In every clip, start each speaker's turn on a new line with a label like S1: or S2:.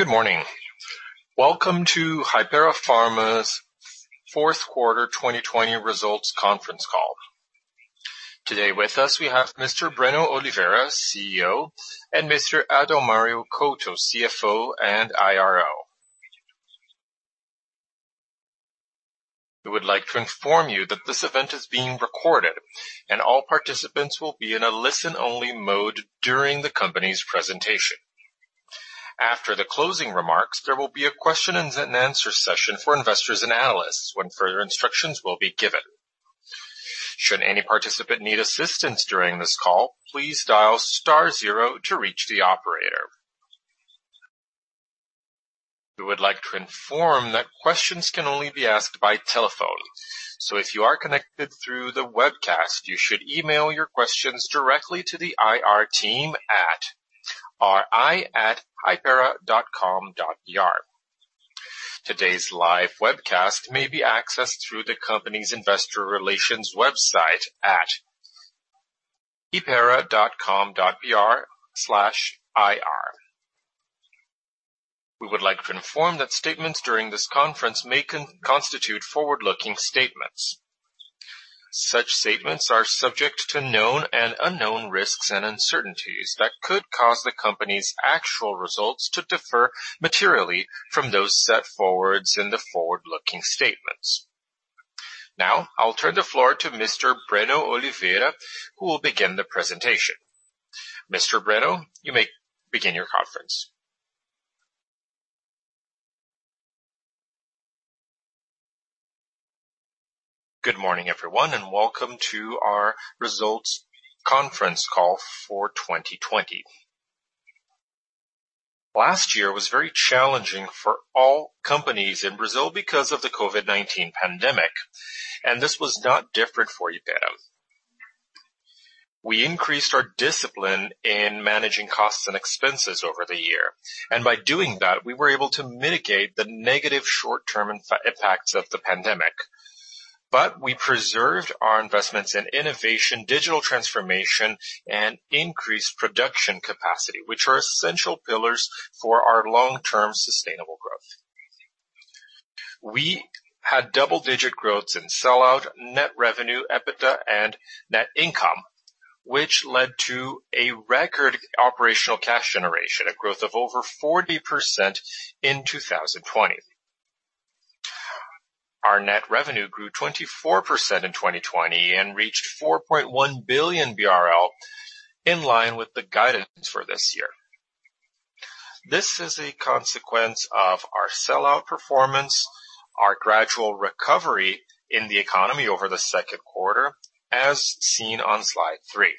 S1: Good morning. Welcome to Hypera Pharma's fourth quarter 2020 results conference call. Today with us, we have Mr. Breno Oliveira, CEO, and Mr. Adalmario Couto, CFO and IRO. We would like to inform you that this event is being recorded, and all participants will be in a listen-only mode during the company's presentation. After the closing remarks, there will be a question and answer session for investors and analysts, when further instructions will be given. Should any participant need assistance during this call, please dial star zero to reach the operator. We would like to inform that questions can only be asked by telephone. If you are connected through the webcast, you should email your questions directly to the IR team at ri@hypera.com.br. Today's live webcast may be accessed through the company's investor relations website at hypera.com.br/ir. We would like to inform that statements during this conference may constitute forward-looking statements. Such statements are subject to known and unknown risks and uncertainties that could cause the company's actual results to differ materially from those set forth in the forward-looking statements. I'll turn the floor to Mr. Breno Oliveira, who will begin the presentation. Mr. Breno, you may begin your conference.
S2: Good morning, everyone, welcome to our results conference call for 2020. Last year was very challenging for all companies in Brazil because of the COVID-19 pandemic, and this was not different for Hypera. We increased our discipline in managing costs and expenses over the year, by doing that, we were able to mitigate the negative short-term impacts of the pandemic. We preserved our investments in innovation, digital transformation, and increased production capacity, which are essential pillars for our long-term sustainable growth. We had double-digit growths in sellout, net revenue, EBITDA, and net income, which led to a record operational cash generation, a growth of over 40% in 2020. Our net revenue grew 24% in 2020 and reached 4.1 billion BRL, in line with the guidance for this year. This is a consequence of our sellout performance, our gradual recovery in the economy over the second quarter, as seen on slide three.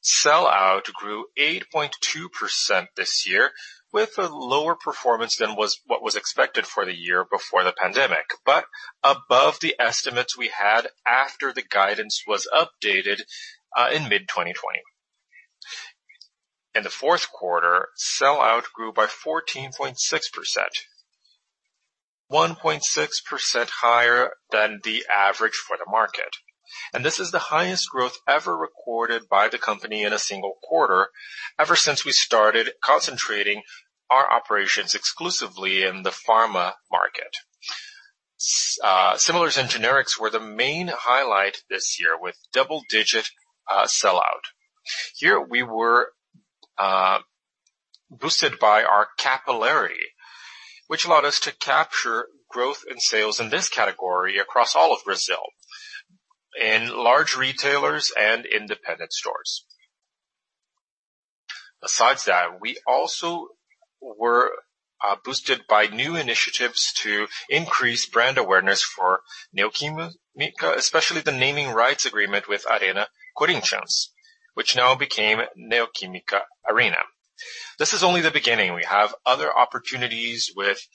S2: Sellout grew 8.2% this year, with a lower performance than what was expected for the year before the pandemic, but above the estimates we had after the guidance was updated in mid-2020. In the fourth quarter, sellout grew by 14.6%, 1.6% higher than the average for the market. This is the highest growth ever recorded by the company in a single quarter, ever since we started concentrating our operations exclusively in the pharma market. Similars and generics were the main highlight this year, with double-digit sellout. Here, we were boosted by our capillarity, which allowed us to capture growth in sales in this category across all of Brazil, in large retailers and independent stores. Besides that, we also were boosted by new initiatives to increase brand awareness for Neo Química, especially the naming rights agreement with Arena Corinthians, which now became Neo Química Arena. This is only the beginning. We have other opportunities with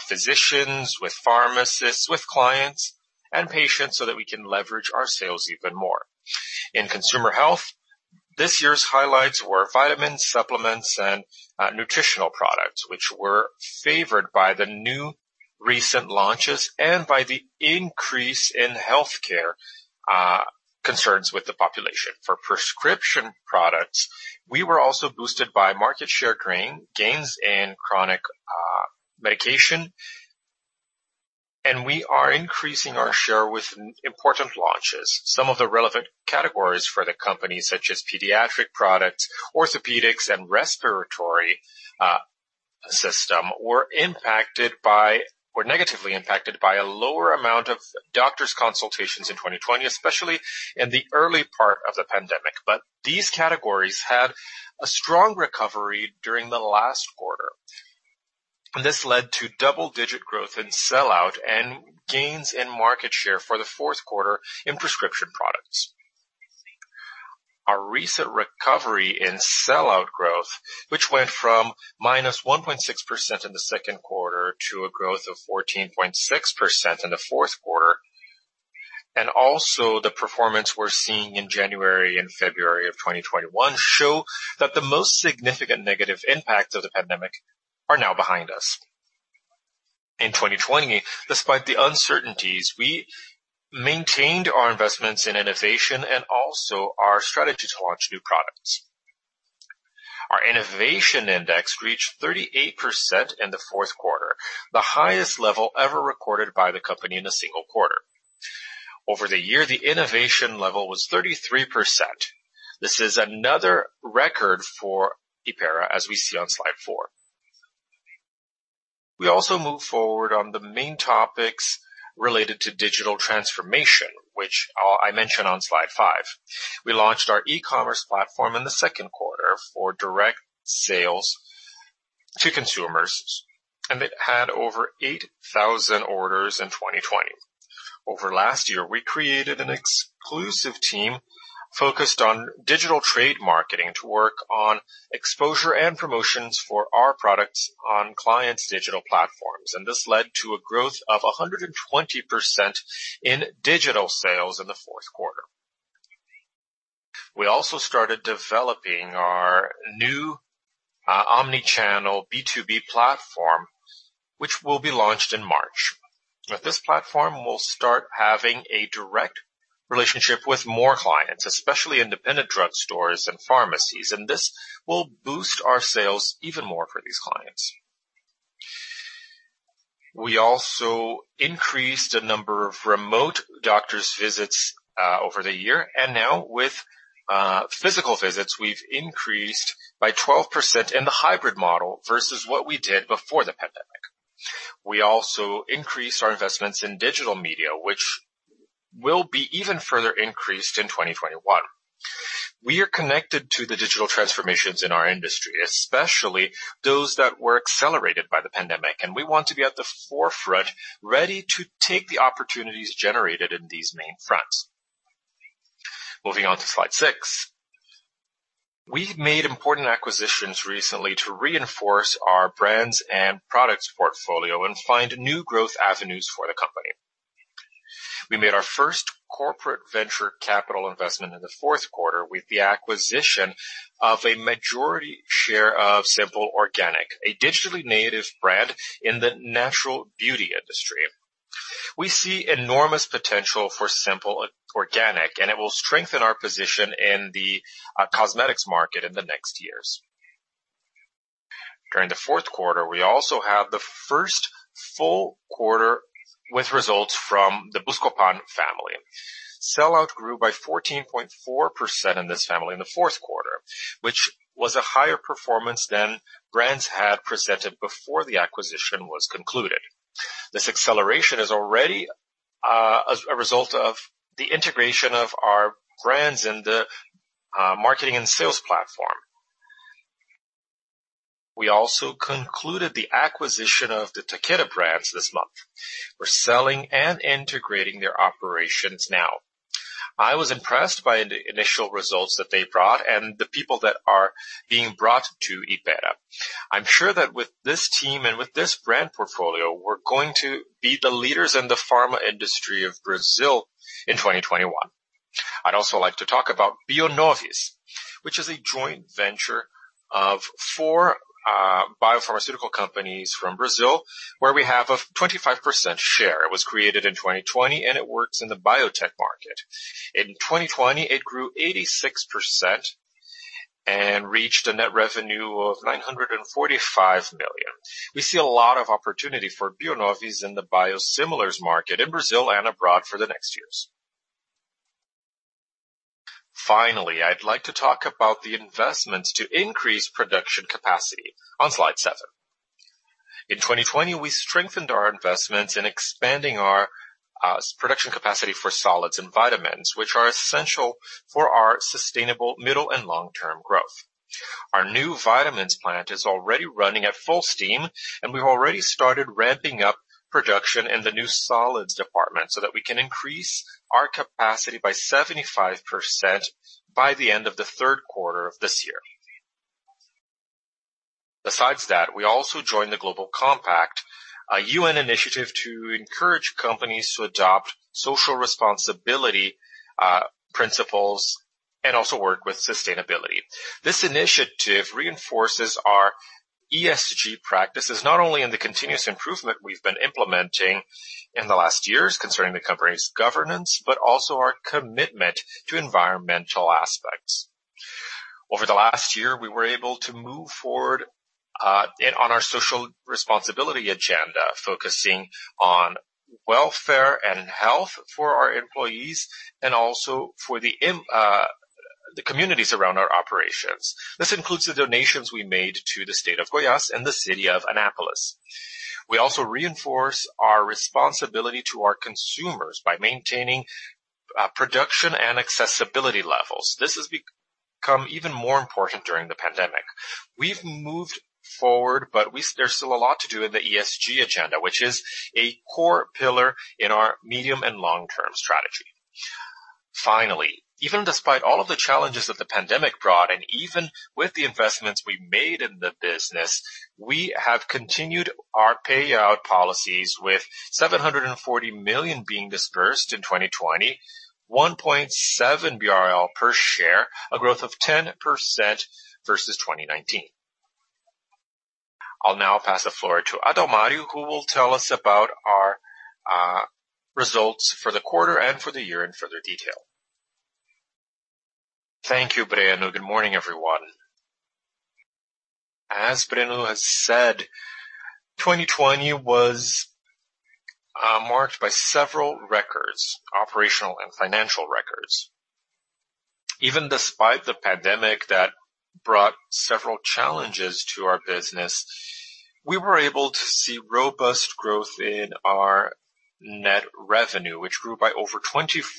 S2: physicians, with pharmacists, with clients and patients so that we can leverage our sales even more. In consumer health, this year's highlights were vitamins, supplements, and nutritional products, which were favored by the new recent launches and by the increase in healthcare concerns with the population. For prescription products, we were also boosted by market share gains in chronic medication, and we are increasing our share with important launches. Some of the relevant categories for the company, such as pediatric products, orthopedics, and respiratory system, were negatively impacted by a lower amount of doctor's consultations in 2020, especially in the early part of the pandemic. These categories had a strong recovery during the last quarter. This led to double-digit growth in sellout and gains in market share for the fourth quarter in prescription products. Our recent recovery in sellout growth, which went from -1.6% in the second quarter to a growth of 14.6% in the fourth quarter, and also the performance we're seeing in January and February of 2021, show that the most significant negative impact of the pandemic are now behind us. In 2020, despite the uncertainties, we maintained our investments in innovation and also our strategy to launch new products. Our innovation index reached 38% in the fourth quarter, the highest level ever recorded by the company in a single quarter. Over the year, the innovation level was 33%. This is another record for Hypera, as we see on slide four. We also moved forward on the main topics related to digital transformation, which I mention on slide five. We launched our e-commerce platform in the second quarter for direct sales to consumers, and it had over 8,000 orders in 2020. Over last year, we created an exclusive team focused on digital trade marketing to work on exposure and promotions for our products on clients' digital platforms, and this led to a growth of 120% in digital sales in the fourth quarter. We also started developing our new omni-channel B2B platform, which will be launched in March. With this platform, we'll start having a direct relationship with more clients, especially independent drugstores and pharmacies, and this will boost our sales even more for these clients. We also increased the number of remote doctor's visits over the year. Now with physical visits, we've increased by 12% in the hybrid model versus what we did before the pandemic. We also increased our investments in digital media, which will be even further increased in 2021. We are connected to the digital transformations in our industry, especially those that were accelerated by the pandemic, and we want to be at the forefront, ready to take the opportunities generated in these main fronts. Moving on to slide six. We've made important acquisitions recently to reinforce our brands and products portfolio and find new growth avenues for the company. We made our first corporate venture capital investment in the fourth quarter with the acquisition of a majority share of Simple Organic, a digitally native brand in the natural beauty industry. We see enormous potential for Simple Organic, and it will strengthen our position in the cosmetics market in the next years. During the fourth quarter, we also had the first full quarter with results from the Buscopan family. Sell-out grew by 14.4% in this family in the fourth quarter, which was a higher performance than brands had presented before the acquisition was concluded. This acceleration is already a result of the integration of our brands in the marketing and sales platform. We also concluded the acquisition of the Takeda brands this month. We're selling and integrating their operations now. I was impressed by the initial results that they brought and the people that are being brought to Hypera. I'm sure that with this team and with this brand portfolio, we're going to be the leaders in the pharma industry of Brazil in 2021. I'd also like to talk about Bionovis, which is a joint venture of four biopharmaceutical companies from Brazil, where we have a 25% share. It was created in 2020, and it works in the biotech market. In 2020, it grew 86% and reached a net revenue of 945 million. We see a lot of opportunity for Bionovis in the biosimilars market in Brazil and abroad for the next years. Finally, I'd like to talk about the investments to increase production capacity on slide seven. In 2020, we strengthened our investments in expanding our production capacity for solids and vitamins, which are essential for our sustainable middle and long-term growth. Our new vitamins plant is already running at full steam, and we've already started ramping up production in the new solids department so that we can increase our capacity by 75% by the end of the third quarter of this year. Besides that, we also joined the Global Compact, a UN initiative to encourage companies to adopt social responsibility principles and also work with sustainability. This initiative reinforces our ESG practices, not only in the continuous improvement we've been implementing in the last years concerning the company's governance, but also our commitment to environmental aspects. Over the last year, we were able to move forward on our social responsibility agenda, focusing on welfare and health for our employees and also for the communities around our operations. This includes the donations we made to the State of Goiás and the City of Anápolis. We also reinforce our responsibility to our consumers by maintaining production and accessibility levels. This has become even more important during the pandemic. We've moved forward, but there's still a lot to do in the ESG agenda, which is a core pillar in our medium and long-term strategy. Finally, even despite all of the challenges that the pandemic brought, and even with the investments we made in the business, we have continued our payout policies with 740 million being disbursed in 2020, 1.7 BRL per share, a growth of 10% versus 2019. I'll now pass the floor to Adalmario, who will tell us about our results for the quarter and for the year in further detail.
S3: Thank you, Breno. Good morning, everyone. As Breno has said, 2020 was marked by several records, operational and financial records. Even despite the pandemic that brought several challenges to our business, we were able to see robust growth in our net revenue, which grew by over 24%.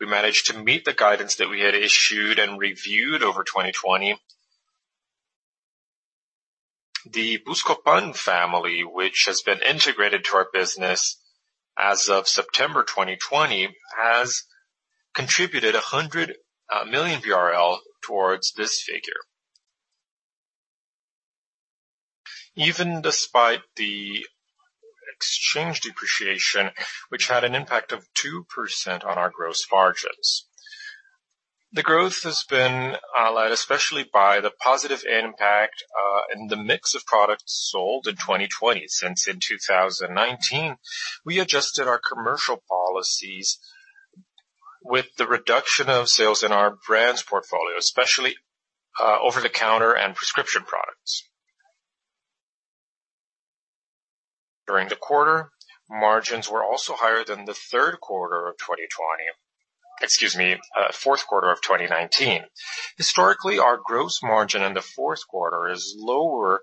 S3: We managed to meet the guidance that we had issued and reviewed over 2020. The Buscopan family, which has been integrated into our business as of September 2020, has contributed 100 million towards this figure. Even despite the exchange depreciation, which had an impact of 2% on our gross margins. The growth has been led especially by the positive impact, and the mix of products sold in 2020, since in 2019, we adjusted our commercial policies with the reduction of sales in our brands portfolio, especially, over-the-counter and prescription products. During the quarter, margins were also higher than the third quarter of 2020. Excuse me, fourth quarter of 2019. Historically, our gross margin in the fourth quarter is lower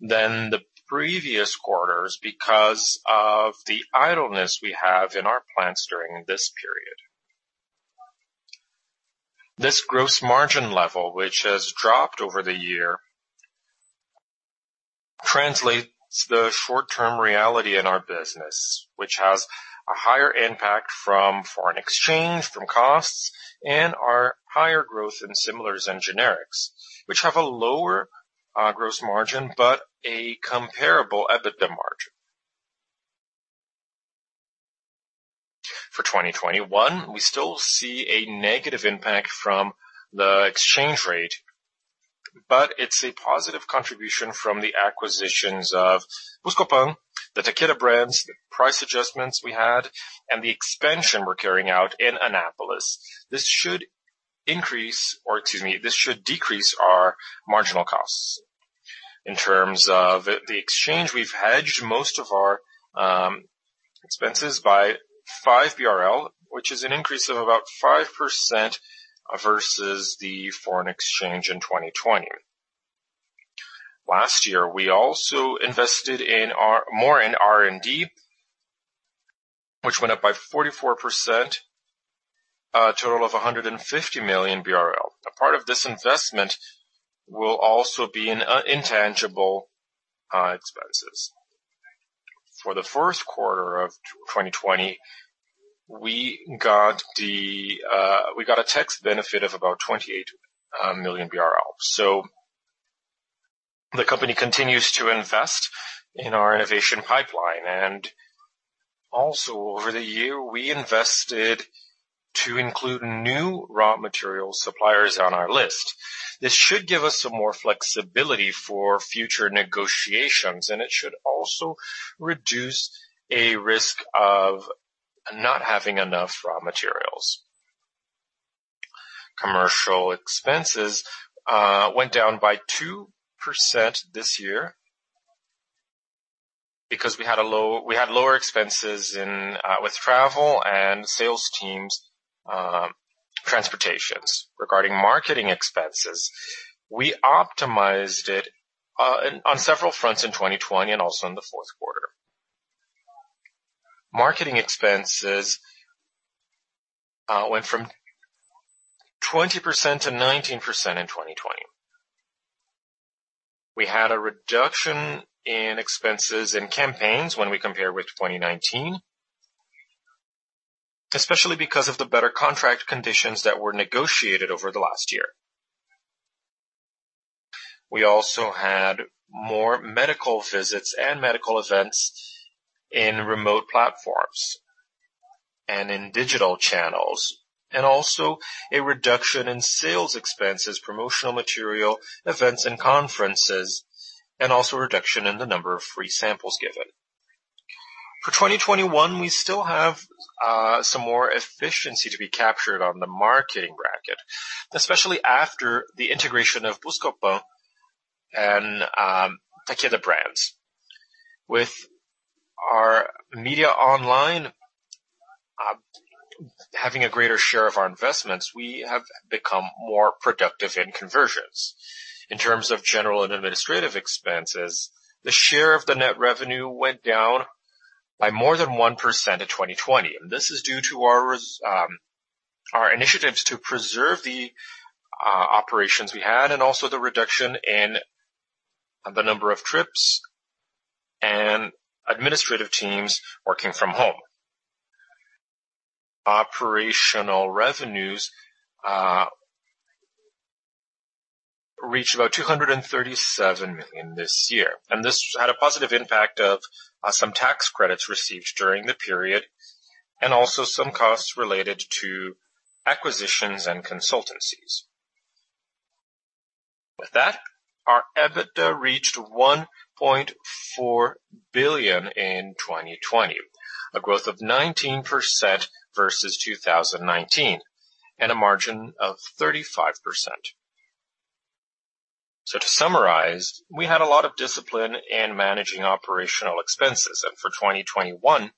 S3: than the previous quarters because of the idleness we have in our plants during this period. This gross margin level, which has dropped over the year, translates the short-term reality in our business, which has a higher impact from foreign exchange, from costs, and our higher growth in similars and generics, which have a lower gross margin, but a comparable EBITDA margin. For 2021, we still see a negative impact from the exchange rate, but it's a positive contribution from the acquisitions of Buscopan, the Takeda brands, the price adjustments we had, and the expansion we're carrying out in Anápolis. This should increase, or excuse me, this should decrease our marginal costs. In terms of the exchange we've hedged most of our expenses by 5 BRL, which is an increase of about 5% versus the foreign exchange in 2020. Last year, we also invested more in R&D, which went up by 44%, a total of 150 million BRL. A part of this investment will also be in intangible expenses. For the first quarter of 2020, we got a tax benefit of about 28 million BRL. The company continues to invest in our innovation pipeline. Also over the year, we invested to include new raw material suppliers on our list. This should give us some more flexibility for future negotiations, and it should also reduce a risk of not having enough raw materials. Commercial expenses went down by 2% this year because we had lower expenses with travel and sales teams' transportations. Regarding marketing expenses, we optimized it on several fronts in 2020 and also in the fourth quarter. Marketing expenses went from 20% to 19% in 2020. We had a reduction in expenses and campaigns when we compare with 2019, especially because of the better contract conditions that were negotiated over the last year. We also had more medical visits and medical events in remote platforms and in digital channels, and also a reduction in sales expenses, promotional material, events and conferences, and also a reduction in the number of free samples given. For 2021, we still have some more efficiency to be captured on the marketing bracket, especially after the integration of Buscopan and Takeda brands. With our media online having a greater share of our investments, we have become more productive in conversions. In terms of general and administrative expenses, the share of the net revenue went down by more than 1% in 2020. This is due to our initiatives to preserve the operations we had and also the reduction in the number of trips and administrative teams working from home. Operational revenues reached about 237 million this year, this had a positive impact of some tax credits received during the period and also some costs related to acquisitions and consultancies. With that, our EBITDA reached 1.4 billion in 2020, a growth of 19% versus 2019, and a margin of 35%. To summarize, we had a lot of discipline in managing operational expenses. For 2021,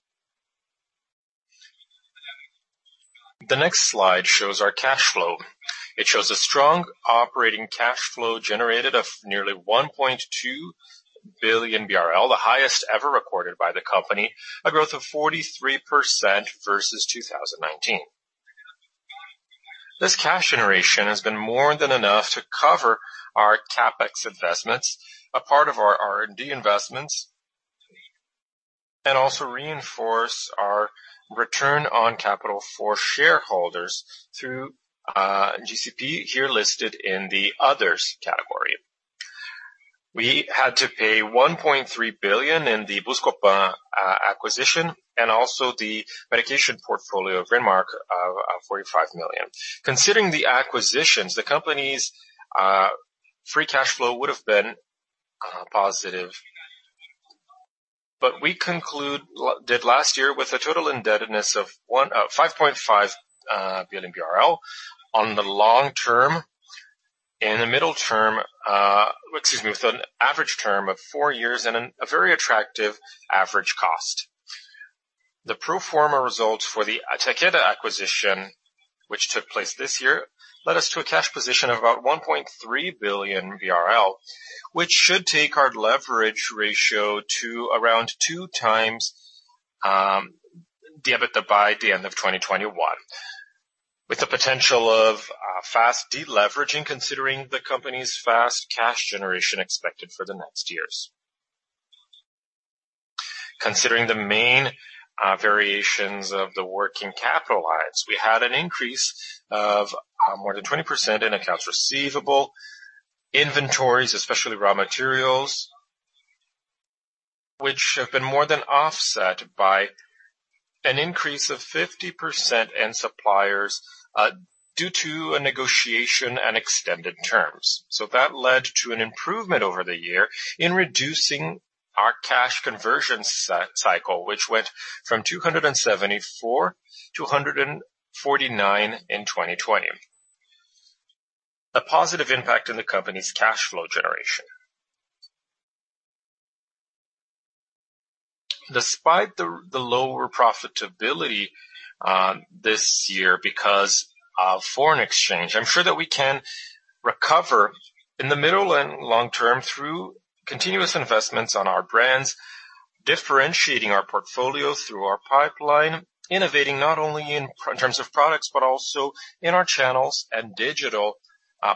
S3: the next slide shows our cash flow. It shows a strong operating cash flow generated of nearly 1.2 billion BRL, the highest ever recorded by the company, a growth of 43% versus 2019. This cash generation has been more than enough to cover our CapEx investments, a part of our R&D investments, and also reinforce our return on capital for shareholders through JCP, here listed in the others category. We had to pay 1.3 billion in the Buscopan acquisition and also the medication portfolio of Remark of 45 million. Considering the acquisitions, the company's free cash flow would've been positive. We concluded last year with a total indebtedness of 5.5 billion BRL on the long term with an average term of four years and a very attractive average cost. The pro forma results for the Takeda acquisition, which took place this year, led us to a cash position of about 1.3 billion, which should take our leverage ratio to around 2x the EBITDA by the end of 2021, with the potential of fast deleveraging considering the company's fast cash generation expected for the next years. Considering the main variations of the working capital lives, we had an increase of more than 20% in accounts receivable, inventories, especially raw materials, which have been more than offset by an increase of 50% in suppliers, due to a negotiation and extended terms. That led to an improvement over the year in reducing our cash conversion cycle, which went from 274 to 149 in 2020. A positive impact in the company's cash flow generation. Despite the lower profitability this year because of foreign exchange, I'm sure that we can recover in the middle and long term through continuous investments on our brands, differentiating our portfolio through our pipeline, innovating not only in terms of products, but also in our channels and digital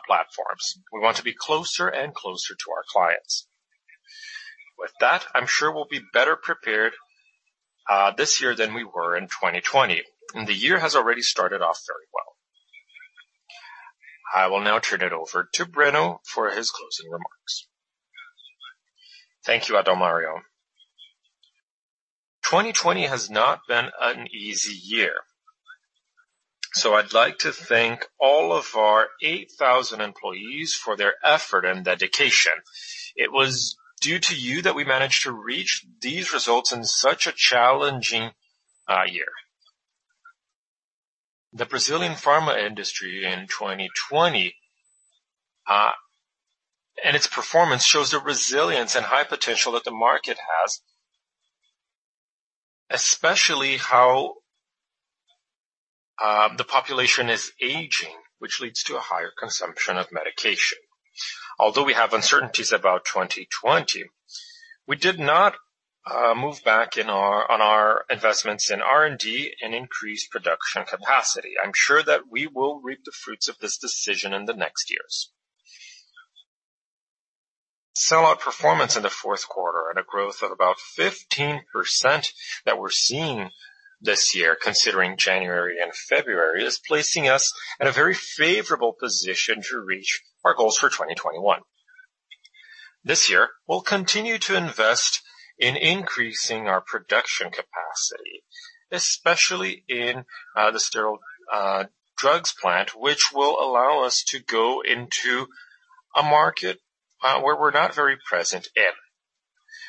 S3: platforms. We want to be closer and closer to our clients. With that, I'm sure we'll be better prepared this year than we were in 2020. The year has already started off very well. I will now turn it over to Breno for his closing remarks.
S2: Thank you, Adalmario. 2020 has not been an easy year. I'd like to thank all of our 8,000 employees for their effort and dedication. It was due to you that we managed to reach these results in such a challenging year. The Brazilian pharma industry in 2020, and its performance shows the resilience and high potential that the market has, especially how the population is aging, which leads to a higher consumption of medication. Although we have uncertainties about 2020, we did not move back on our investments in R&D and increased production capacity. I'm sure that we will reap the fruits of this decision in the next years. Sell-out performance in the fourth quarter at a growth of about 15% that we're seeing this year, considering January and February, is placing us in a very favorable position to reach our goals for 2021. This year, we'll continue to invest in increasing our production capacity, especially in the sterile drugs plant, which will allow us to go into a market where we're not very present in.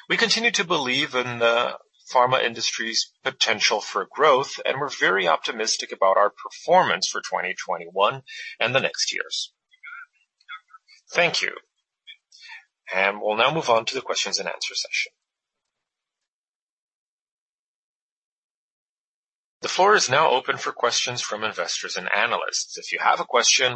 S2: We continue to believe in the pharma industry's potential for growth, and we're very optimistic about our performance for 2021 and the next years. Thank you. We'll now move on to the questions and answer session.
S1: The floor is now open for questions from investors and analysts. Our first question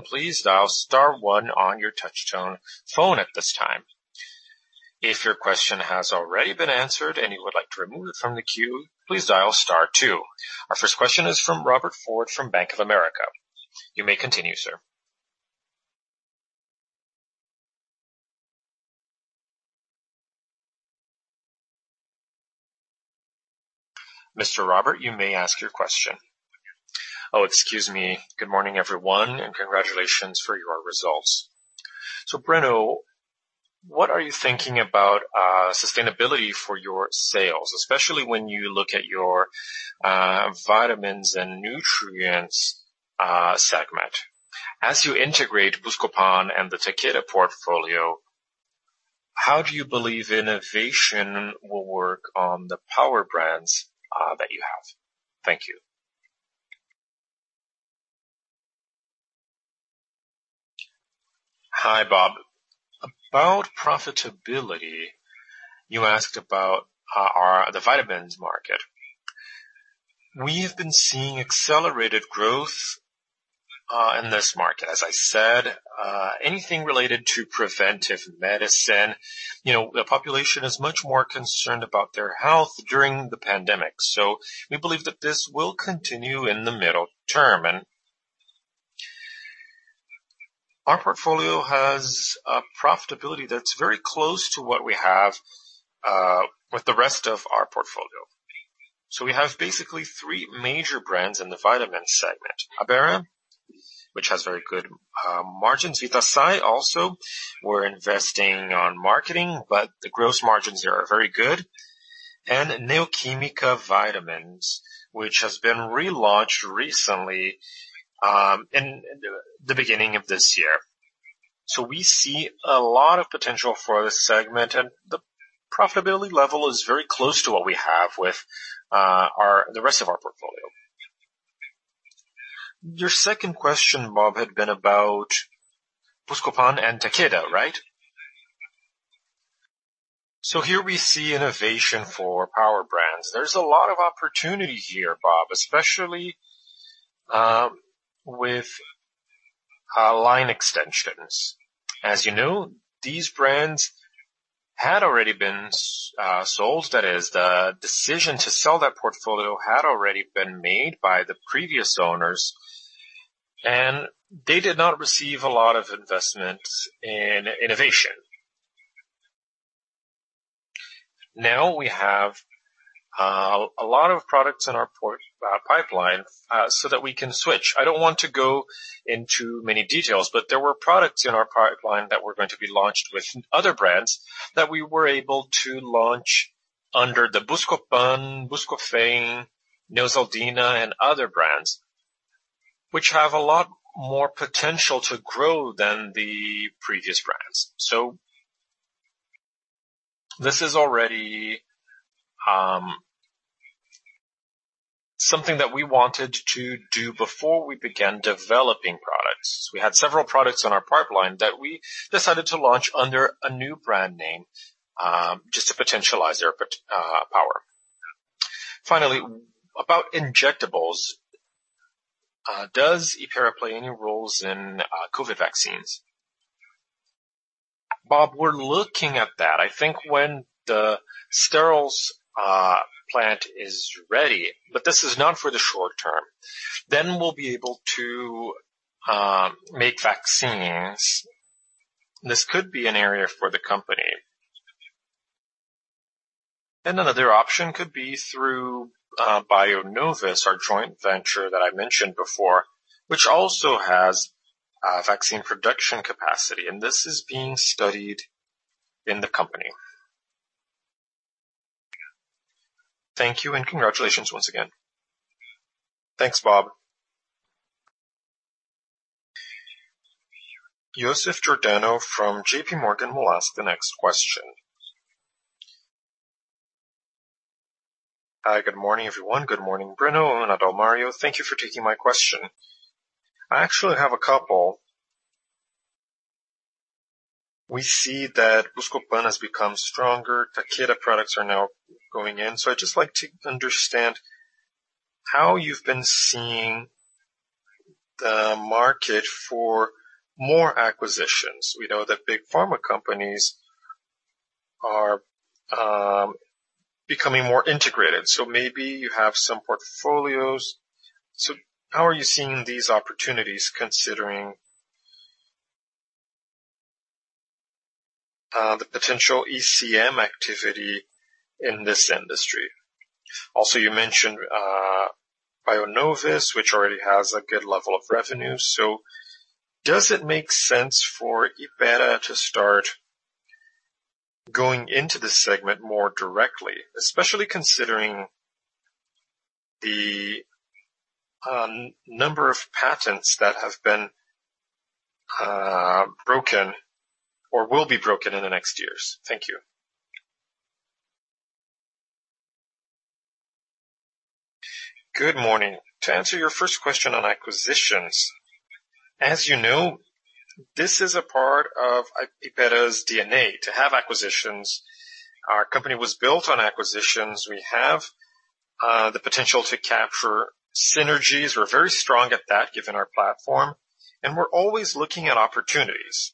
S1: is from Robert Ford from Bank of America. You may continue, sir. Mr. Robert, you may ask your question.
S4: Oh, excuse me. Good morning, everyone, and congratulations for your results. Breno, what are you thinking about sustainability for your sales, especially when you look at your vitamins and nutrients segment? As you integrate Buscopan and the Takeda portfolio, how do you believe innovation will work on the power brands that you have? Thank you.
S2: Hi, Bob. About profitability, you asked about the vitamins market. We have been seeing accelerated growth in this market. As I said, anything related to preventive medicine, the population is much more concerned about their health during the pandemic. We believe that this will continue in the middle term. Our portfolio has a profitability that's very close to what we have with the rest of our portfolio. We have basically three major brands in the vitamin segment, Addera, which has very good margins, Vitasay also. We're investing on marketing, but the gross margins there are very good. Neo Química Vitamins, which has been relaunched recently in the beginning of this year. We see a lot of potential for this segment, and the profitability level is very close to what we have with the rest of our portfolio. Your second question, Bob, had been about Buscopan and Takeda, right? Here we see innovation for power brands. There's a lot of opportunity here, Bob, especially with line extensions. As you know, these brands had already been sold. That is, the decision to sell that portfolio had already been made by the previous owners, and they did not receive a lot of investment in innovation. Now we have a lot of products in our pipeline so that we can switch. I don't want to go into many details, but there were products in our pipeline that were going to be launched with other brands that we were able to launch under the Buscopan, Buscofem, Neosaldina, and other brands, which have a lot more potential to grow than the previous brands. This is already something that we wanted to do before we began developing products. We had several products in our pipeline that we decided to launch under a new brand name, just to potentialize their power.
S4: Finally, about injectables. Does Hypera play any roles in COVID vaccines?
S2: Bob, we're looking at that. I think when the steriles plant is ready, but this is not for the short term, then we'll be able to make vaccines. This could be an area for the company. Another option could be through Bionovis, our joint venture that I mentioned before, which also has vaccine production capacity, and this is being studied in the company.
S4: Thank you, and congratulations once again.
S2: Thanks, Bob.
S1: Joseph Giordano from JPMorgan will ask the next question.
S5: Hi. Good morning, everyone. Good morning, Breno and Adalmario. Thank you for taking my question. I actually have a couple. We see that Buscopan has become stronger. Takeda products are now going in. I'd just like to understand how you've been seeing the market for more acquisitions. We know that big pharma companies are becoming more integrated, so maybe you have some portfolios. How are you seeing these opportunities, considering the potential ECM activity in this industry? Also, you mentioned Bionovis, which already has a good level of revenue. Does it make sense for Hypera to start going into this segment more directly, especially considering the number of patents that have been broken or will be broken in the next years? Thank you.
S2: Good morning. To answer your first question on acquisitions, as you know, this is a part of Hypera's DNA to have acquisitions. Our company was built on acquisitions. We have the potential to capture synergies. We're very strong at that, given our platform, and we're always looking at opportunities.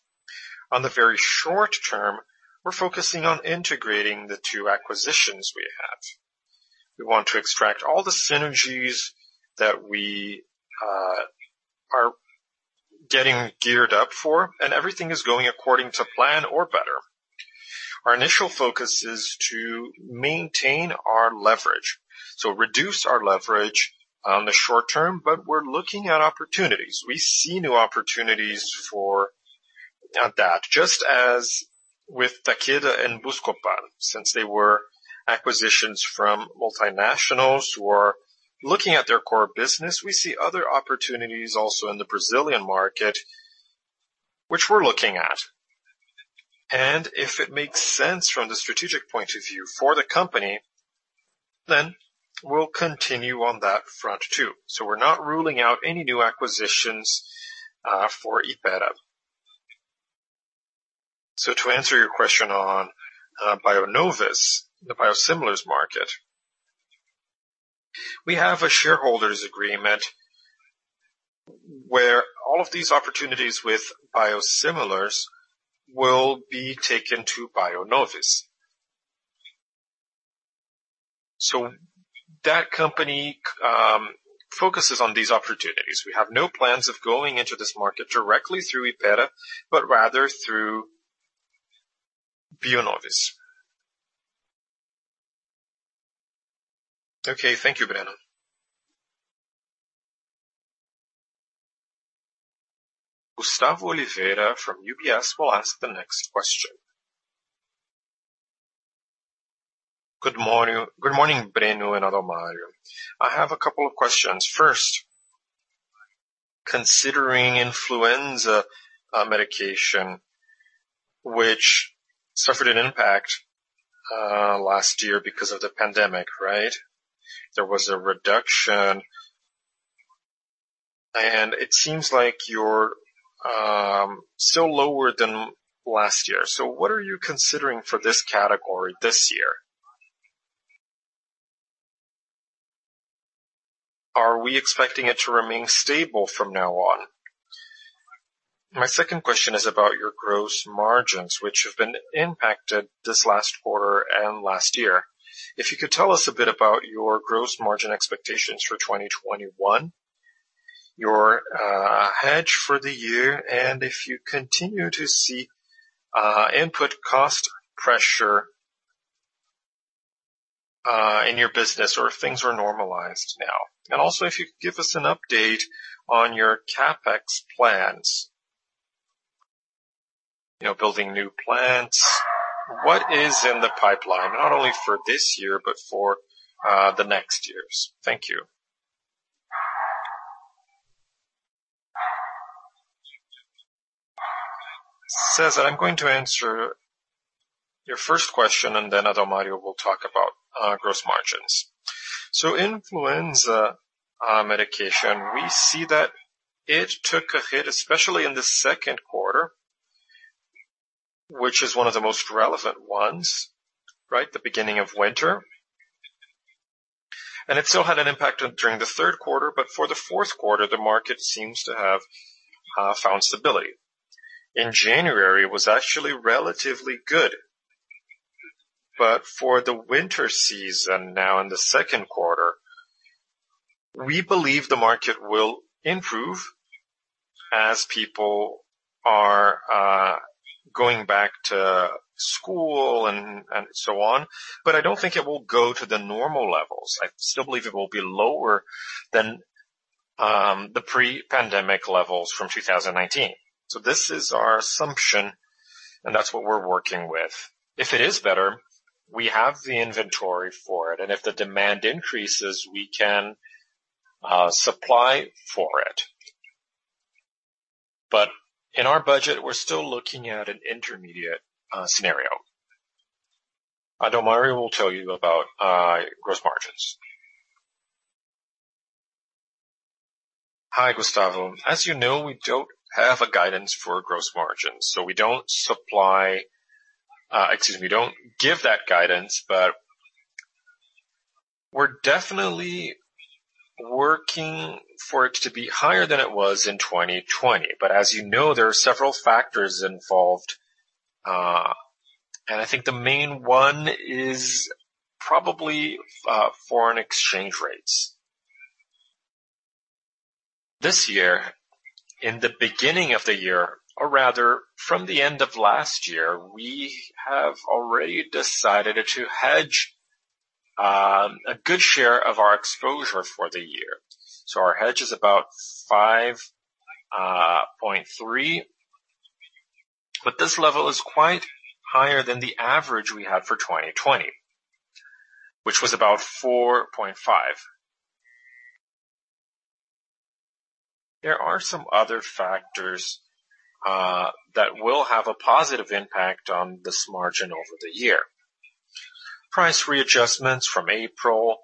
S2: On the very short term, we're focusing on integrating the two acquisitions we have. We want to extract all the synergies that we are getting geared up for, and everything is going according to plan or better. Our initial focus is to maintain our leverage. Reduce our leverage on the short term, but we're looking at opportunities. We see new opportunities for that, just as with Takeda and Buscopan, since they were acquisitions from multinationals who are looking at their core business. We see other opportunities also in the Brazilian market, which we're looking at. If it makes sense from the strategic point of view for the company, we'll continue on that front, too. We're not ruling out any new acquisitions for Hypera. To answer your question on Bionovis, the biosimilars market, we have a shareholders' agreement where all of these opportunities with biosimilars will be taken to Bionovis. That company focuses on these opportunities. We have no plans of going into this market directly through Hypera, but rather through Bionovis.
S5: Okay. Thank you, Breno.
S1: Gustavo Oliveira from UBS will ask the next question.
S6: Good morning, Breno and Adalmario. I have a couple of questions. First, considering influenza medication, which suffered an impact last year because of the pandemic, right? There was a reduction, and it seems like you're still lower than last year. What are you considering for this category this year? Are we expecting it to remain stable from now on? My second question is about your gross margins, which have been impacted this last quarter and last year. If you could tell us a bit about your gross margin expectations for 2021, your hedge for the year, and if you continue to see input cost pressure in your business or if things are normalized now. Also, if you could give us an update on your CapEx plans. Building new plants. What is in the pipeline? Not only for this year, but for the next years. Thank you.
S2: Gustavo, I'm going to answer your first question, and then Adalmario will talk about gross margins. Influenza medication, we see that it took a hit, especially in the second quarter, which is one of the most relevant ones, right, the beginning of winter. It still had an impact during the third quarter, but for the fourth quarter, the market seems to have found stability. In January, it was actually relatively good. For the winter season now in the second quarter, we believe the market will improve as people are going back to school and so on. I don't think it will go to the normal levels. I still believe it will be lower than the pre-pandemic levels from 2019. This is our assumption, and that's what we're working with. If it is better, we have the inventory for it, and if the demand increases, we can supply for it. In our budget, we're still looking at an intermediate scenario. Adalmario will tell you about gross margins.
S3: Hi, Gustavo. As you know, we don't have a guidance for gross margins. We don't give that guidance, we're definitely working for it to be higher than it was in 2020. As you know, there are several factors involved. I think the main one is probably foreign exchange rates. This year, in the beginning of the year, or rather from the end of last year, we have already decided to hedge a good share of our exposure for the year. Our hedge is about 5.3, this level is quite higher than the average we had for 2020, which was about BRL 4.5. There are some other factors that will have a positive impact on this margin over the year. Price readjustments from April,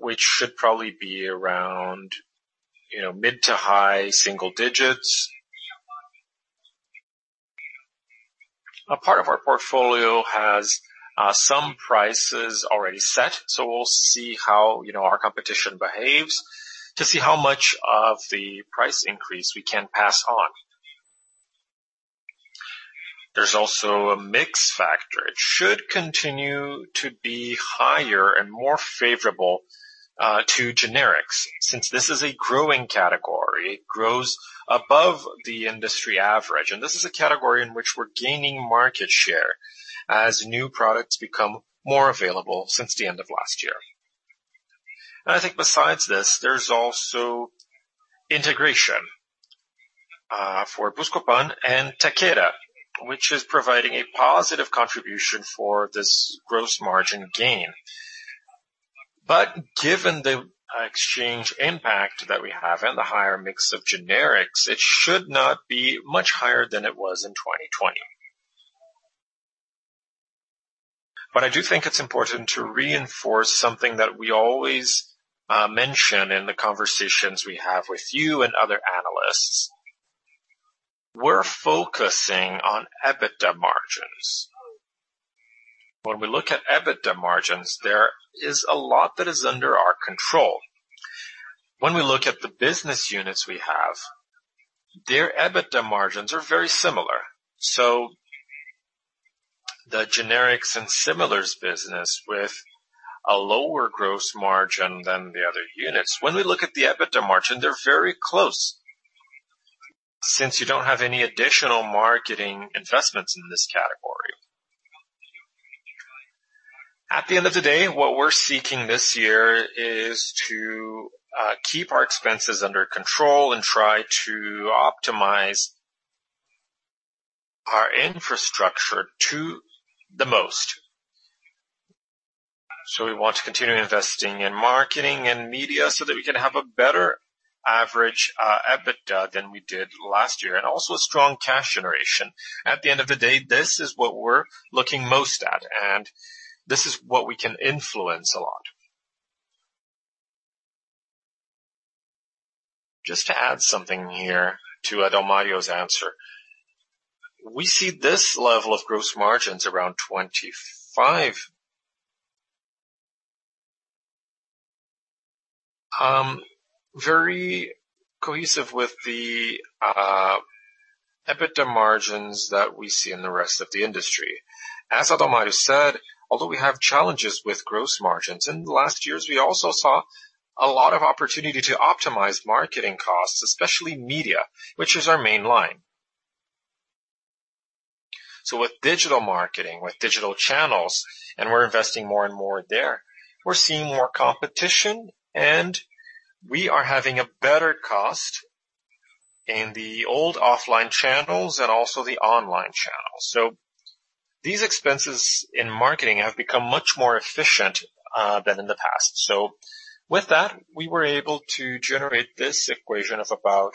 S3: which should probably be around mid to high single digits. A part of our portfolio has some prices already set. We'll see how our competition behaves to see how much of the price increase we can pass on. There's also a mix factor. It should continue to be higher and more favorable to generics since this is a growing category. It grows above the industry average. This is a category in which we're gaining market share as new products become more available since the end of last year. I think besides this, there's also integration for Buscopan and Takeda, which is providing a positive contribution for this gross margin gain. Given the exchange impact that we have and the higher mix of generics, it should not be much higher than it was in 2020. I do think it's important to reinforce something that we always mention in the conversations we have with you and other analysts. We're focusing on EBITDA margins. When we look at EBITDA margins, there is a lot that is under our control. When we look at the business units we have, their EBITDA margins are very similar. The Generics and Similars business with a lower gross margin than the other units. When we look at the EBITDA margin, they're very close. Since you don't have any additional marketing investments in this category. At the end of the day, what we're seeking this year is to keep our expenses under control and try to optimize our infrastructure to the most. We want to continue investing in marketing and media so that we can have a better average EBITDA than we did last year, and also a strong cash generation. At the end of the day, this is what we're looking most at, and this is what we can influence a lot.
S2: Just to add something here to Adalmario's answer. We see this level of gross margins around 25%, very cohesive with the EBITDA margins that we see in the rest of the industry. As Adalmario said, although we have challenges with gross margins, in the last years, we also saw a lot of opportunity to optimize marketing costs, especially media, which is our main line. With digital marketing, with digital channels, and we're investing more and more there. We're seeing more competition, and we are having a better cost in the old offline channels and also the online channels. These expenses in marketing have become much more efficient than in the past. With that, we were able to generate this equation of about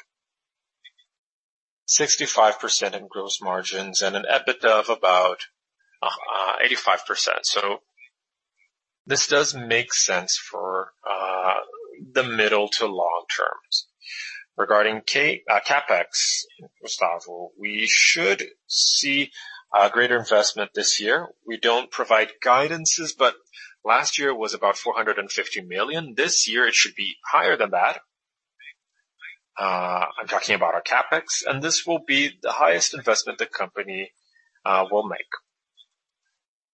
S2: 65% in gross margins and an EBITDA of about 85%. This does make sense for the middle to long terms. Regarding CapEx, Gustavo, we should see a greater investment this year. We don't provide guidances, but last year was about 450 million. This year it should be higher than that. I'm talking about our CapEx, and this will be the highest investment the company will make.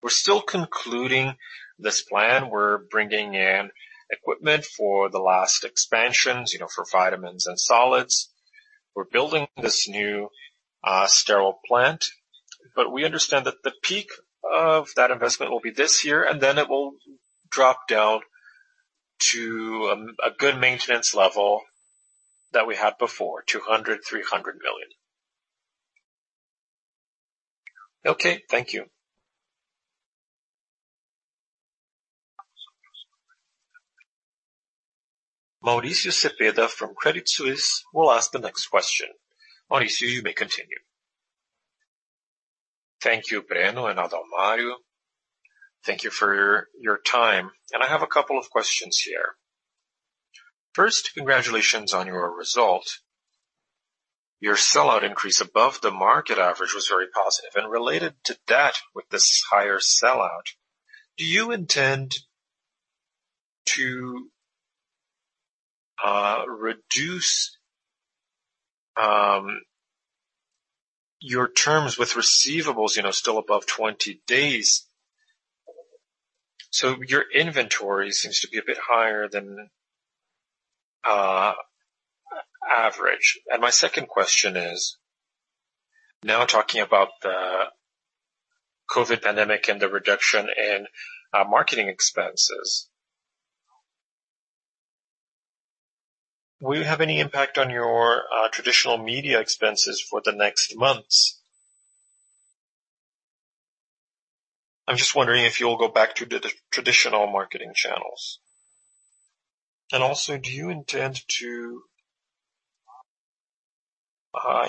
S2: We're still concluding this plan. We're bringing in equipment for the last expansions, for vitamins and solids. We're building this new sterile plant. We understand that the peak of that investment will be this year, and then it will drop down to a good maintenance level that we had before, 200 million-300 million.
S6: Okay. Thank you.
S1: Mauricio Cepeda from Credit Suisse will ask the next question. Mauricio, you may continue.
S7: Thank you, Breno and Adalmario. Thank you for your time. I have a couple of questions here. First, congratulations on your result. Your sell-out increase above the market average was very positive. Related to that, with this higher sell-out, do you intend to reduce your terms with receivables still above 20 days? Your inventory seems to be a bit higher than average. My second question is, now talking about the COVID-19 pandemic and the reduction in marketing expenses, will you have any impact on your traditional media expenses for the next months? I'm just wondering if you'll go back to traditional marketing channels. Do you intend to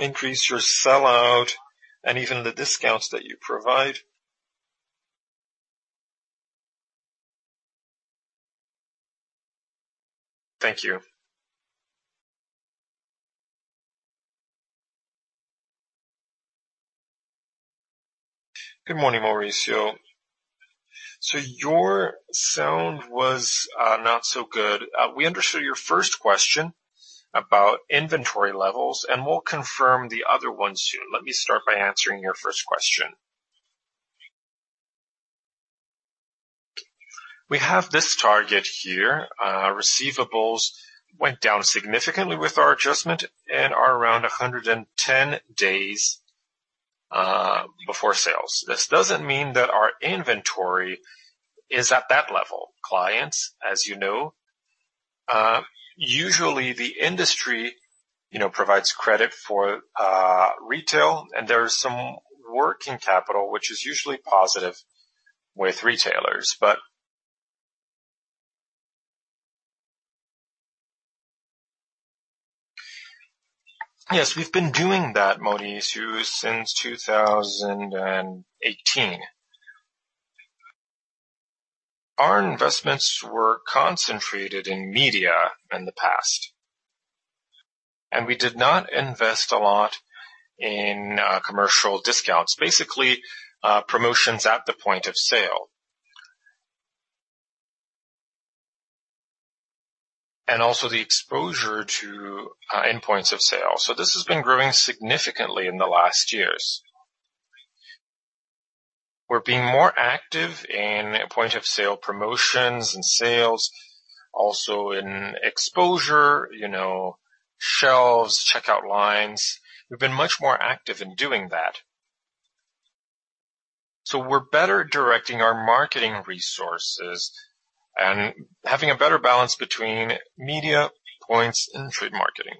S7: increase your sell-out and even the discounts that you provide? Thank you.
S2: Good morning, Mauricio. Your sound was not so good. We understood your first question about inventory levels, and we'll confirm the other one soon. Let me start by answering your first question. We have this target here. Receivables went down significantly with our adjustment and are around 110 days before sales. This doesn't mean that our inventory is at that level. Clients, as you know, usually the industry provides credit for retail, and there's some working capital, which is usually positive with retailers, but Yes, we've been doing that, Mauricio, since 2018. Our investments were concentrated in media in the past, and we did not invest a lot in commercial discounts, basically, promotions at the point of sale. Also the exposure to end points of sale. This has been growing significantly in the last years. We're being more active in point-of-sale promotions and sales, also in exposure, shelves, checkout lines. We've been much more active in doing that. We're better directing our marketing resources and having a better balance between media points and trade marketing.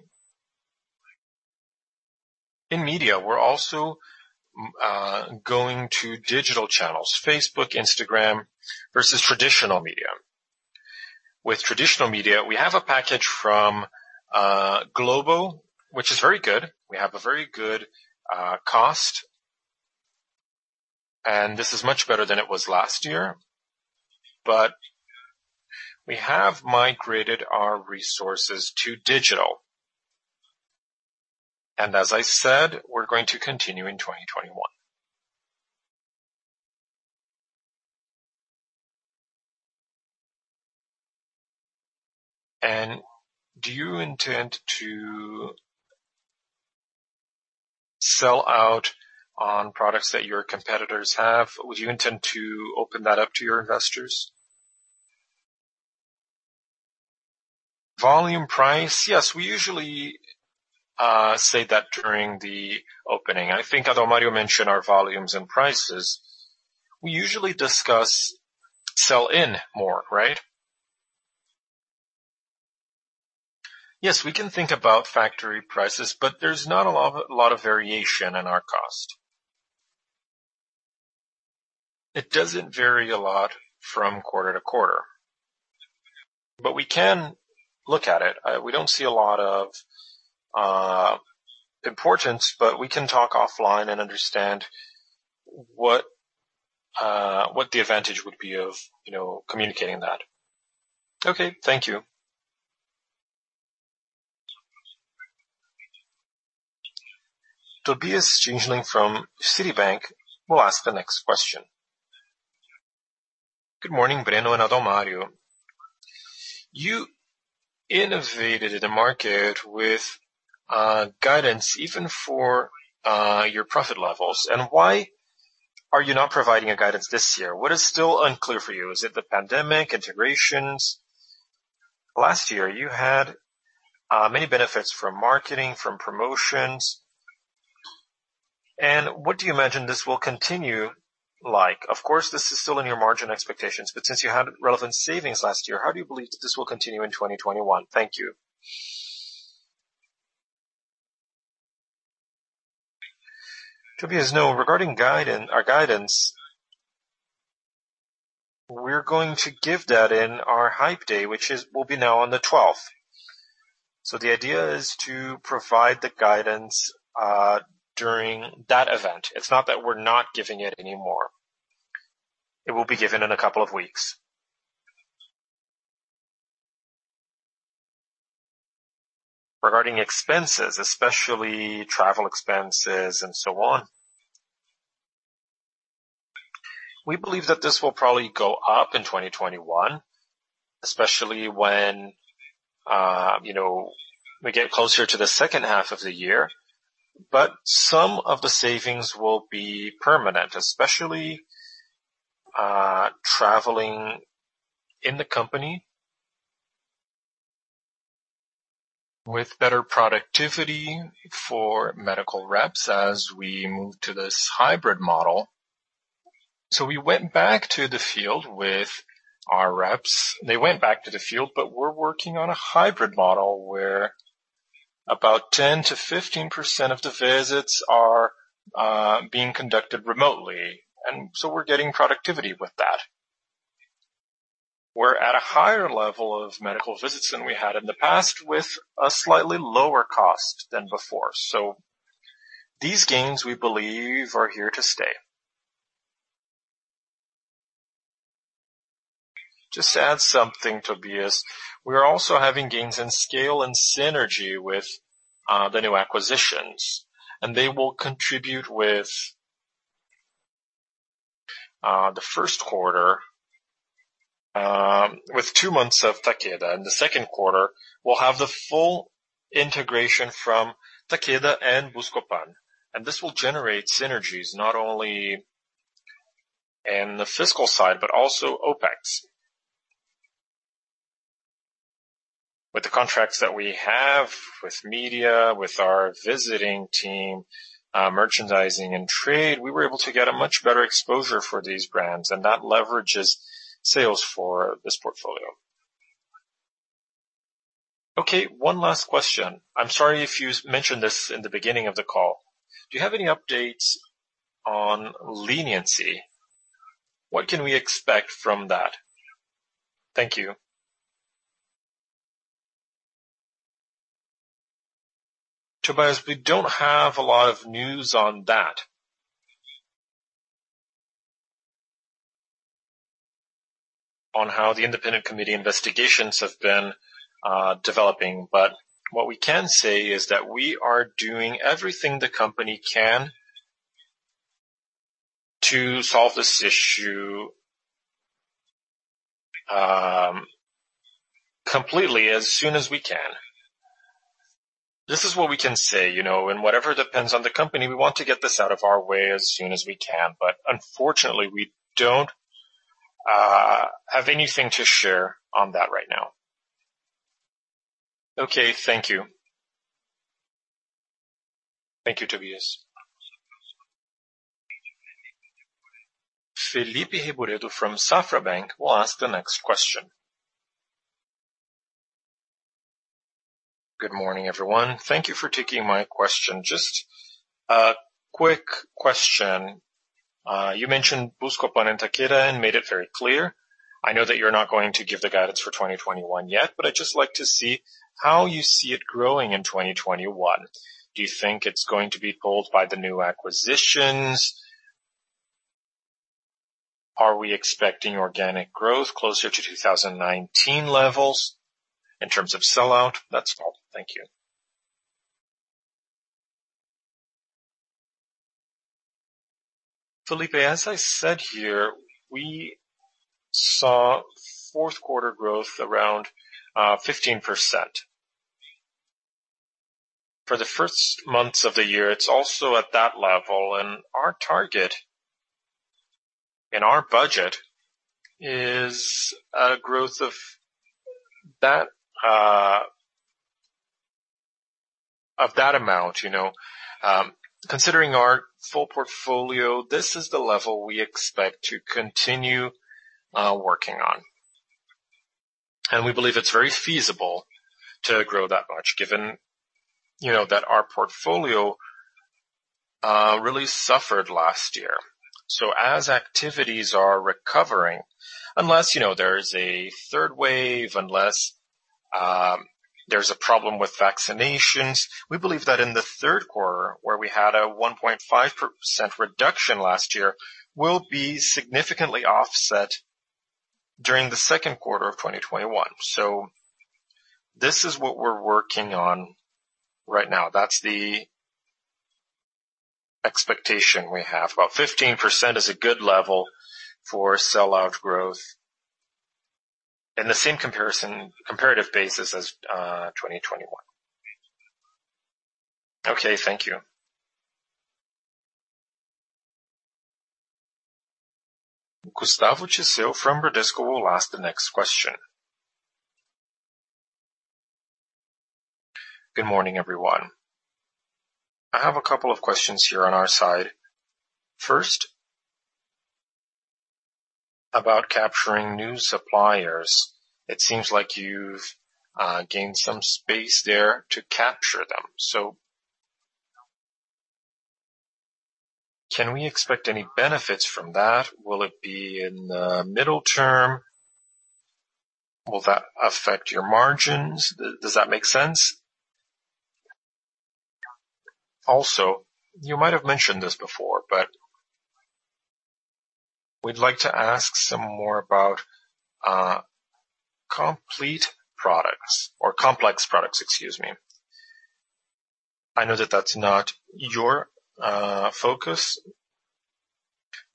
S2: In media, we're also going to digital channels, Facebook, Instagram, versus traditional media. With traditional media, we have a package from Globo, which is very good. We have a very good cost, and this is much better than it was last year. We have migrated our resources to digital. As I said, we're going to continue in 2021.
S7: Do you intend to sell out on products that your competitors have? Would you intend to open that up to your investors?
S2: Volume price. Yes, we usually say that during the opening. I think Adalmario mentioned our volumes and prices. We usually discuss sell in more, right? Yes, we can think about factory prices, but there is not a lot of variation in our cost. It does not vary a lot from quarter to quarter, but we can look at it. We do not see a lot of importance, but we can talk offline and understand what the advantage would be of communicating that.
S7: Okay. Thank you.
S1: Tobias Stingelin from Citibank will ask the next question.
S8: Good morning, Breno and Adalmario. You innovated in the market with guidance even for your profit levels. Why are you not providing a guidance this year? What is still unclear for you? Is it the pandemic, integrations? Last year, you had many benefits from marketing, from promotions. What do you imagine this will continue like? This is still in your margin expectations, but since you had relevant savings last year, how do you believe this will continue in 2021? Thank you.
S2: Tobias, regarding our guidance, we're going to give that in our Hype Day, which will be now on the 12th. The idea is to provide the guidance during that event. It's not that we're not giving it anymore. It will be given in a couple of weeks. Regarding expenses, especially travel expenses and so on, we believe that this will probably go up in 2021, especially when we get closer to the second half of the year. Some of the savings will be permanent, especially traveling in the company with better productivity for medical reps as we move to this hybrid model. We went back to the field with our reps. They went back to the field, but we're working on a hybrid model where about 10%-15% of the visits are being conducted remotely. We're getting productivity with that. We're at a higher level of medical visits than we had in the past with a slightly lower cost than before. These gains, we believe, are here to stay.
S3: Just to add something, Tobias. We are also having gains in scale and synergy with the new acquisitions, and they will contribute with the first quarter, with two months of Takeda. In the second quarter, we'll have the full integration from Takeda and Buscopan. This will generate synergies not only in the fiscal side, but also OpEx. With the contracts that we have with media, with our visiting team, merchandising and trade, we were able to get a much better exposure for these brands, and that leverages sales for this portfolio.
S8: One last question. I am sorry if you mentioned this in the beginning of the call. Do you have any updates on leniency? What can we expect from that? Thank you.
S2: Tobias, we don't have a lot of news on that on how the independent committee investigations have been developing. What we can say is that we are doing everything the company can to solve this issue completely, as soon as we can. This is what we can say. Whatever depends on the company, we want to get this out of our way as soon as we can. Unfortunately, we don't have anything to share on that right now.
S8: Okay, thank you.
S2: Thank you, Tobias.
S1: Felipe Reboredo from Safra Bank will ask the next question.
S9: Good morning, everyone. Thank you for taking my question. Just a quick question. You mentioned Buscopan and Takeda and made it very clear. I know that you're not going to give the guidance for 2021 yet, I'd just like to see how you see it growing in 2021. Do you think it's going to be pulled by the new acquisitions? Are we expecting organic growth closer to 2019 levels in terms of sell-out? That's all. Thank you.
S2: Felipe, as I said here, we saw fourth quarter growth around 15%. For the first months of the year, it's also at that level, our target and our budget is a growth of that amount. Considering our full portfolio, this is the level we expect to continue working on. We believe it's very feasible to grow that much given that our portfolio really suffered last year. As activities are recovering, unless there is a third wave, unless there's a problem with vaccinations, we believe that in the third quarter, where we had a 1.5% reduction last year, will be significantly offset during the second quarter of 2021. This is what we're working on right now. That's the expectation we have. About 15% is a good level for sell-out growth in the same comparative basis as 2021.
S9: Okay, thank you.
S1: Gustavo Gesell from Bradesco will ask the next question.
S10: Good morning, everyone. I have a couple of questions here on our side. First, about capturing new suppliers. It seems like you've gained some space there to capture them. Can we expect any benefits from that? Will it be in the middle term? Will that affect your margins? Does that make sense? You might have mentioned this before, we'd like to ask some more about complete products or complex products, excuse me. I know that that's not your focus,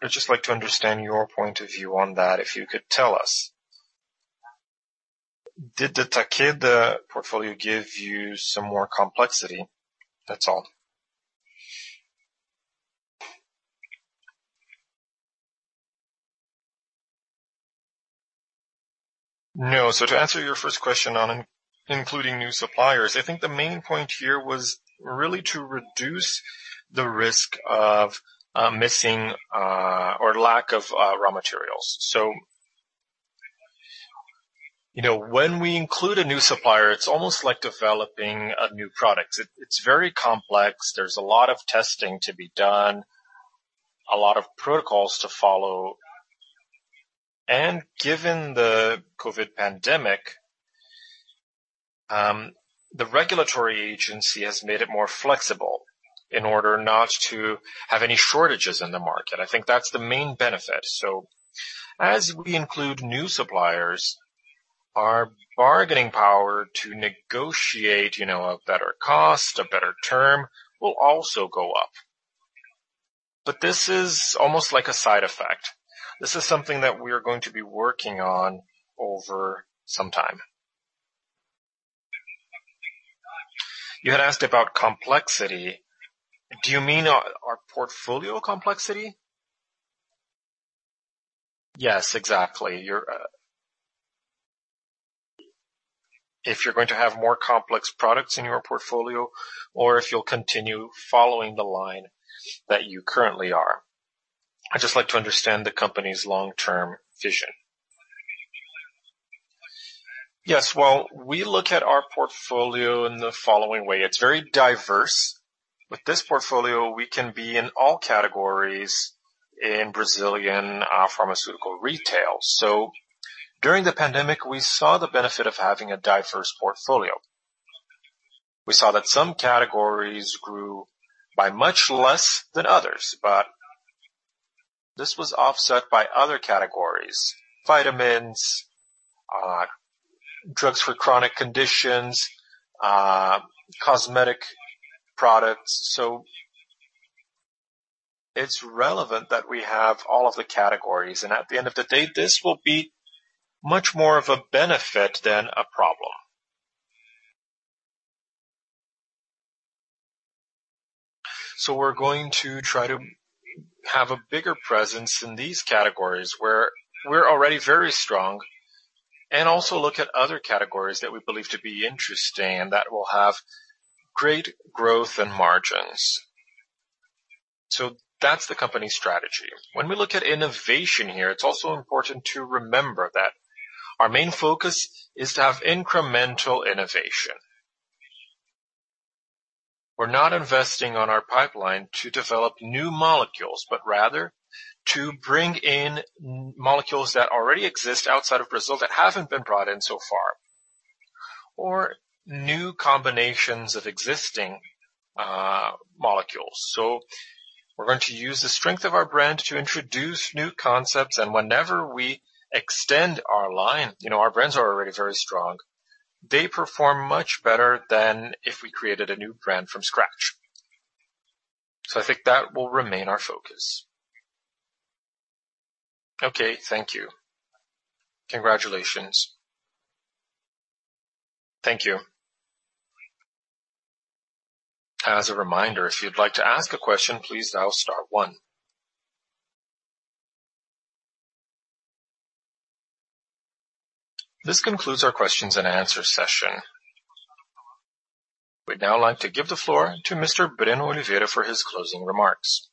S10: I'd just like to understand your point of view on that, if you could tell us. Did the Takeda portfolio give you some more complexity? That's all.
S2: No. To answer your first question on including new suppliers, I think the main point here was really to reduce the risk of missing or lack of raw materials. When we include a new supplier, it's almost like developing a new product. It's very complex. There's a lot of testing to be done, a lot of protocols to follow. Given the COVID-19 pandemic, the regulatory agency has made it more flexible in order not to have any shortages in the market. I think that's the main benefit. As we include new suppliers, our bargaining power to negotiate a better cost, a better term, will also go up. This is almost like a side effect. This is something that we are going to be working on over some time. You had asked about complexity. Do you mean our portfolio complexity?
S10: Yes, exactly. If you're going to have more complex products in your portfolio, or if you'll continue following the line that you currently are? I'd just like to understand the company's long-term vision.
S2: Yes. We look at our portfolio in the following way. It's very diverse. With this portfolio, we can be in all categories in Brazilian pharmaceutical retail. During the pandemic, we saw the benefit of having a diverse portfolio. We saw that some categories grew by much less than others, but this was offset by other categories. Vitamins, drugs for chronic conditions, cosmetic products. It's relevant that we have all of the categories, and at the end of the day, this will be much more of a benefit than a problem. We're going to try to have a bigger presence in these categories where we're already very strong, and also look at other categories that we believe to be interesting and that will have great growth and margins. That's the company strategy. When we look at innovation here, it's also important to remember that our main focus is to have incremental innovation. We're not investing on our pipeline to develop new molecules, but rather to bring in molecules that already exist outside of Brazil that haven't been brought in so far, or new combinations of existing molecules. We're going to use the strength of our brand to introduce new concepts and whenever we extend our line, our brands are already very strong. They perform much better than if we created a new brand from scratch. I think that will remain our focus.
S10: Okay, thank you. Congratulations.
S2: Thank you.
S1: As a reminder, if you'd like to ask a question, please dial star one. This concludes our questions and answer session. We'd now like to give the floor to Mr. Breno Oliveira for his closing remarks.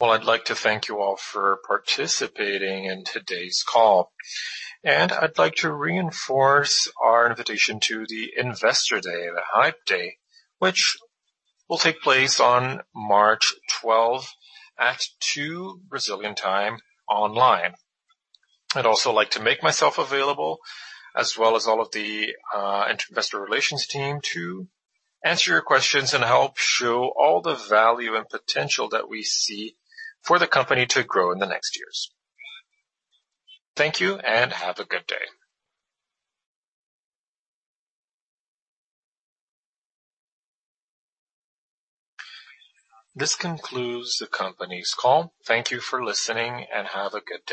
S2: Well, I'd like to thank you all for participating in today's call. I'd like to reinforce our invitation to the Investor Day, the Hype Day, which will take place on March 12 at 2:00 P.M. Brazilian time online. I'd also like to make myself available, as well as all of the investor relations team to answer your questions and help show all the value and potential that we see for the company to grow in the next years. Thank you and have a good day.
S1: This concludes the company's call. Thank you for listening and have a good day.